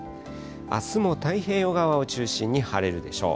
あすも太平洋側を中心に晴れるでしょう。